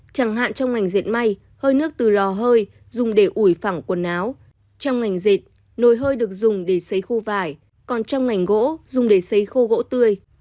chẳng hạn trong ngành diệt may hơi nước từ lò hơi dùng để ủi phẳng quần áo trong ngành dệt nồi hơi được dùng để xấy khô vải còn trong ngành gỗ dùng để xây khô gỗ tươi